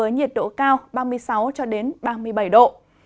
nắng có mức nhiệt cao ba mươi sáu ba mươi bảy độ